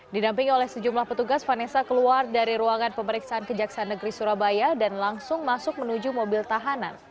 didampingi oleh sejumlah petugas vanessa keluar dari ruangan pemeriksaan kejaksaan negeri surabaya dan langsung masuk menuju mobil tahanan